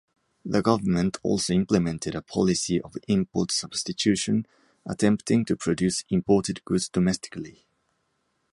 The government also implemented a policy of import-substitution, attempting to produce imported goods domestically.